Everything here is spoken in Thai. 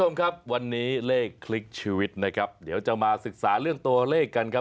คุณผู้ชมครับวันนี้เลขคลิกชีวิตนะครับเดี๋ยวจะมาศึกษาเรื่องตัวเลขกันครับ